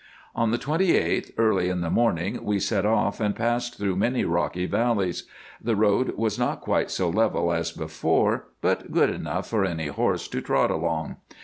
On the 28th, early in the morning, we set off, and passed through many rocky valleys. The road was not quite so level as before, but good enough for any horse to trot along.